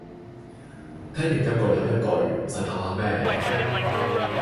聽完一句又一句，唔洗唞吓咩